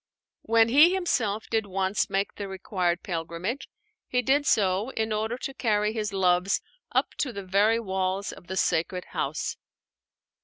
When he himself did once make the required pilgrimage, he did so in order to carry his loves up to the very walls of the sacred house.